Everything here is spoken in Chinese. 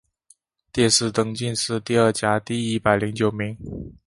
殿试登进士第二甲第一百零九名。